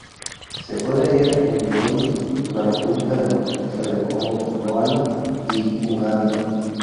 Se puede hallar en Burundi, la República Democrática del Congo, Ruanda y Uganda.